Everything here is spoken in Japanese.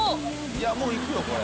いやもういくよこれ。